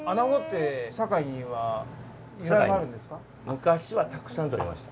昔はたくさんとれました。